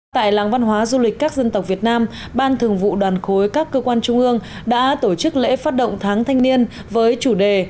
tại làng văn hóa du lịch các dân tộc việt nam ban thường vụ đoàn khối các cơ quan trung ương đã tổ chức lễ phát động tháng thanh niên với chủ đề